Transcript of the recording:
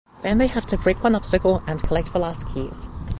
Then they have to break one obstacle and collect the last keys.